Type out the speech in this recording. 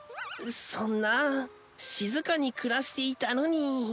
そんなぁ静かに暮らしていたのに。